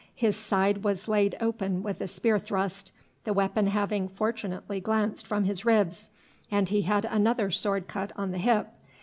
His side was laid open with a spear thrust, the weapon having fortunately glanced from his ribs, and he had another sword cut on the hip.